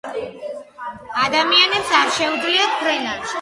ადამიანებს არ შეულიათ ფრენა